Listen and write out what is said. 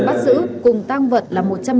bắt giữ cùng tăng vật là